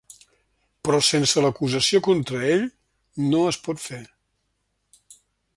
Però sense l’acusació contra ell, no es pot fer.